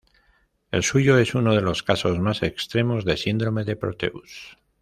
El suyo es uno de los casos más extremos de síndrome de Proteus.